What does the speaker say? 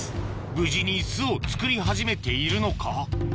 無事に巣を作り始めているのか？